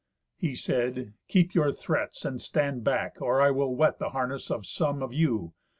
He said, "Keep your threats, and stand back, or I will wet the harness of some of you.